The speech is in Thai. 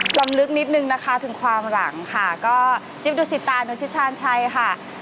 ลำลึกนิดนึงนะคะถึงความหลังค่ะก็จิ๊บดูสิตานุชิชาญชัยค่ะ